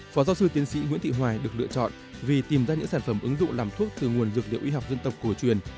phó giáo sư tiến sĩ nguyễn thị hoài được lựa chọn vì tìm ra những sản phẩm ứng dụng làm thuốc từ nguồn dược liệu y học dân tộc cổ truyền